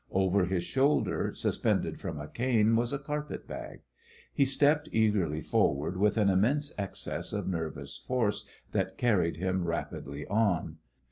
Over his shoulder, suspended from a cane, was a carpet bag. He stepped eagerly forward with an immense excess of nervous force that carried him rapidly on.